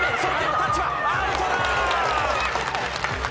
タッチはアウトだ！